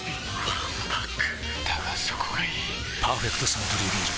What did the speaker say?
わんぱくだがそこがいい「パーフェクトサントリービール糖質ゼロ」